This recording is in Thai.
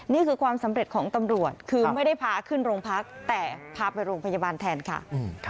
นี่คือความสำเร็จของตำรวจคือไม่ได้พาขึ้นโรงพักแต่พาไปโรงพยาบาลแทนค่ะ